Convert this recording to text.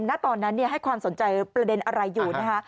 ณตอนนั้นให้ความสนใจประเด็นอะไรอยู่นะคะ